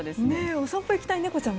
お散歩に行きたい猫ちゃん